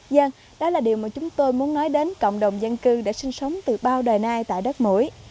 dân đó là điều mà chúng tôi muốn nói đến cộng đồng dân cư để sinh sống từ bao đời nay tại đất mũi